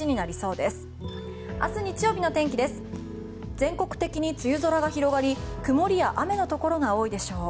全国的に梅雨空が広がり曇りや雨のところが多いでしょう。